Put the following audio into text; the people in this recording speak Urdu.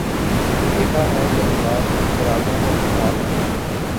دیکھا ہے کئی بار چراغوں کو بجھا کر